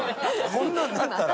こんなんなったら。